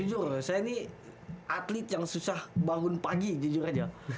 jujur saya nih atlet yang susah bangun pagi jujur aja